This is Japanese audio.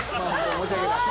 申し訳ない。